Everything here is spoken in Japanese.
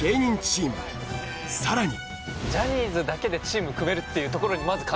さらに。